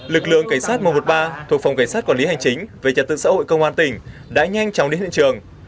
lực lượng cảnh sát một trăm một mươi ba thuộc phòng cảnh sát quản lý hành chính về trật tự xã hội công an tỉnh đã nhanh chóng đến hiện trường